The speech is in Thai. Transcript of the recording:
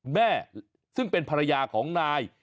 แม่ซึ่งเป็นภรรยาของนาย